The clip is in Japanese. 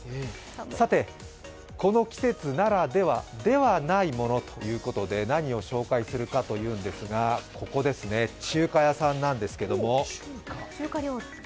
さて、この季節ならではではないものということで、何を紹介するかというと中華屋さんなんですけれども。